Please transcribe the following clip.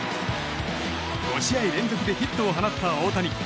５試合連続でヒットを放った大谷。